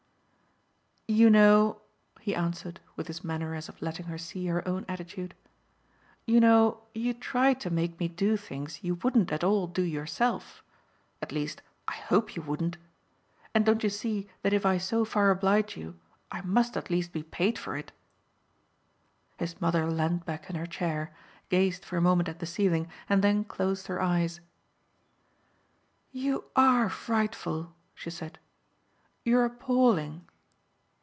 "You know," he answered with his manner as of letting her see her own attitude, "you know you try to make me do things you wouldn't at all do yourself. At least I hope you wouldn't. And don't you see that if I so far oblige you I must at least be paid for it?" His mother leaned back in her chair, gazed for a moment at the ceiling and then closed her eyes. "You ARE frightful," she said. "You're appalling."